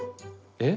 えっ？